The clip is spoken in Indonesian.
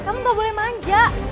kamu gak boleh manja